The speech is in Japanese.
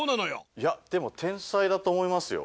いやでも天才だと思いますよ。